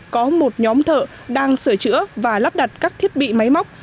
có một nhóm thợ đang sửa chữa và lắp đặt các thiết bị máy móc